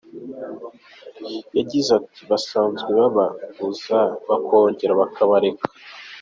Yagize ati “Basanzwe bababuza bakongera bakabareka.